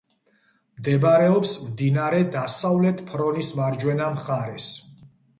მდებარეობს მდინარე დასავლეთ ფრონის მარჯვენა მხარეს.